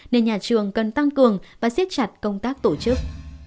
nên nhà trường cần tăng cường và siết chặt công tác tổ chức